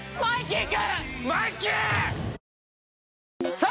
さあ